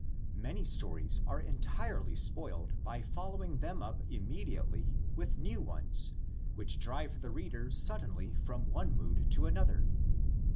Many stories are entirely spoiled by following them up immediately with new ones which drive the reader suddenly from one mood to another.